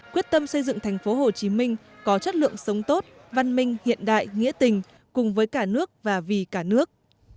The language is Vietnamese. quyết tâm xây dựng tp hcm có chất lượng sống tốt văn minh hiện đại nghĩa tình cùng với cả nước và vì cả nước